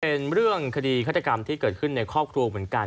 เป็นเรื่องคดีฆาตกรรมที่เกิดขึ้นในครอบครัวเหมือนกัน